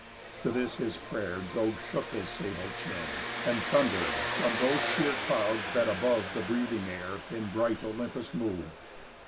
To this his pray'r Jove shook his sable chin, And thunder'd from those pure clouds that, above The breathing air, in bright Olympus move.